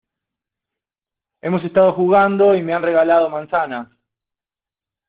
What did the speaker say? hemos estado jugando y me han regalado manzanas